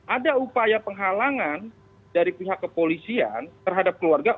ada upaya penghalangan dari pihak kepolisian terhadap keluarga